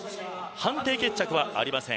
判定決着はありません。